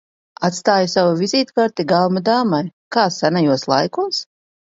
Atstāja savu vizītkarti galma dāmai, kā senajos laikos?